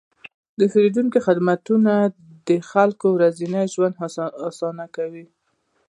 د پیرودونکو خدمتونه د خلکو ورځنی ژوند اسانه کوي.